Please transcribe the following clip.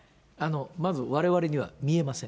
まず、われわれには見えません。